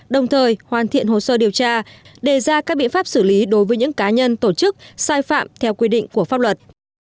đồng thời hoàn thiện hồ sơ điều tra đề ra các biện pháp xử lý đối với những cá nhân tổ chức sai phạm theo quy định của pháp luật